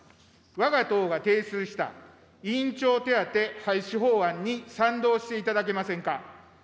わが党が提出した委員長手当廃止法案に賛同していただけませんか。